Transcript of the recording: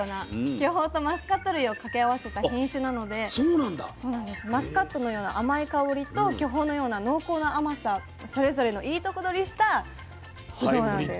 巨峰とマスカット類を掛け合わせた品種なのでマスカットのような甘い香りと巨峰のような濃厚な甘さそれぞれのいいとこ取りしたぶどうなんです。